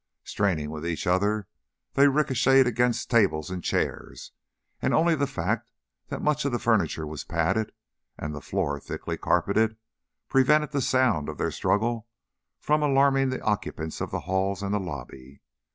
Straining with each other they ricocheted against tables and chairs, and only the fact that much of the furniture was padded, and the floor thickly carpeted, prevented the sound of their struggle from alarming the occupants of the halls and the lobby.